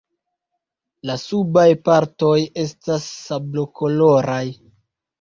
La subaj partoj estas sablokoloraj.